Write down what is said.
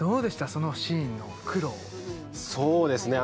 そのシーンの苦労そうですね